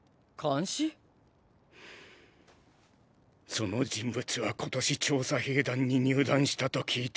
その人物は今年調査兵団に入団したと聞いた。